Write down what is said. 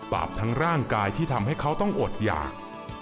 ทั้งร่างกายที่ทำให้เขาต้องอดหยาก